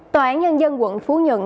tòa án nhân dân quận phú nhận